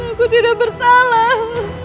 aku tidak bersalah